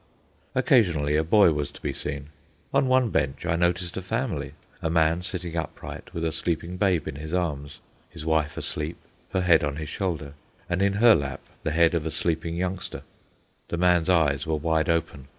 Occasionally a boy was to be seen. On one bench I noticed a family, a man sitting upright with a sleeping babe in his arms, his wife asleep, her head on his shoulder, and in her lap the head of a sleeping youngster. The man's eyes were wide open.